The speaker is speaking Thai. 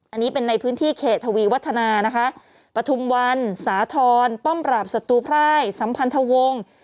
อันนี้เป็นในพื้นที่เขตวีวัฒนาปฐุมวันสาธรป้อมปราบสตุภาคสัมพันธวง